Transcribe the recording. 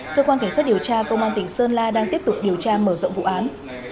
cơ quan cảnh sát điều tra công an tỉnh sơn la đang tiếp tục điều tra mở rộng vụ án